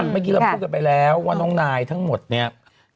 เมื่อกี้เราพูดกันไปแล้วว่าน้องนายทั้งหมดเนี่ยเขาเขาเช่นกับอะไร